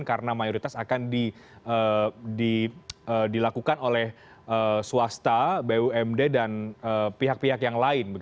karena mayoritas akan dilakukan oleh swasta bumd dan pihak pihak yang lain